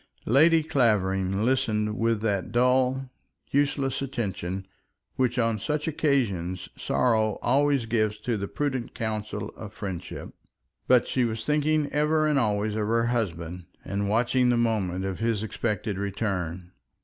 Lady Clavering listened with that dull, useless attention which on such occasions sorrow always gives to the prudent counsels of friendship; but she was thinking ever and always of her husband, and watching the moment of his expected return.